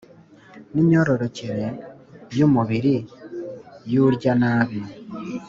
n imyororokere y umubiri y’urya nabi